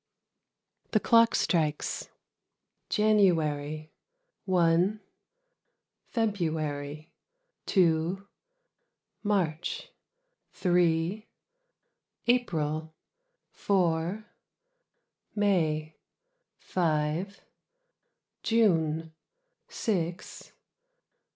(The clock strikes) January "One." February "Two." March "Three." April "Four." May "Five." June "Six."